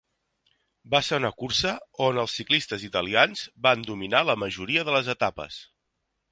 Va ser una cursa on els ciclistes italians van dominar la majoria de les etapes.